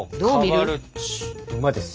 馬です。